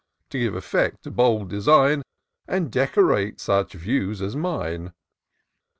155 To give eflfect to bold design, And decorate such views as mine.